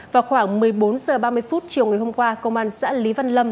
vào khoảng một mươi bốn h ba mươi chiều ngày hôm qua công an xã lý văn lâm